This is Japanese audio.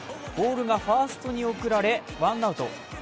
ボールがファーストに送られ、ワンアウト。